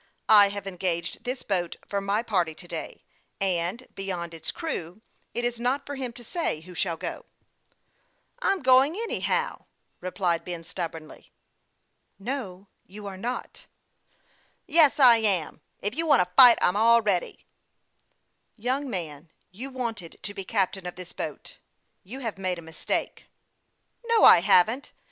I have engaged this boat for my party to day ; and, beyond his crew, it is not for him to say who shall go." " I'm going, anyhow," replied Ben, stubbornly as he planted himself against a stanchion. '* No, you are not." " Yes, I am ; if you want to fight, I'm all ready." " Young man, you wanted to be captain of this boat ; you have made a mistake." " Xo, I haven't.